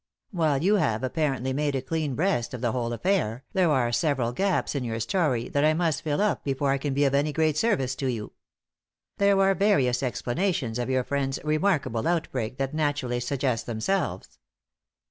While you have apparently made a clean breast of the whole affair, there are several gaps in your story that I must fill up before I can be of any great service to you. There are various explanations of your friend's remarkable outbreak that naturally suggest themselves.